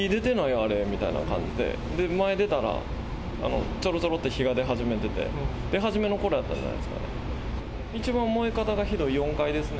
あれみたいな感じで、前出たら、ちょろちょろって火が出始めてて、出始めのころやったんじゃないですかね。